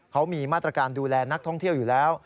เขามีมาตรการดูแลนักท่องเที่ยวอยู่แล้ว